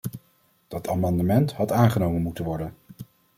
Dat amendement had aangenomen moeten worden.